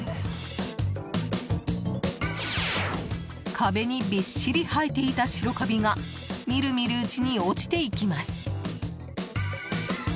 壁にびっしり生えていた白カビがみるみるうちに落ちていきます。